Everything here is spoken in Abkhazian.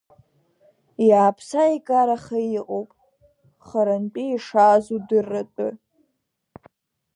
Иааԥса-икараха иҟоуп, харантәи ишааз удырратәы.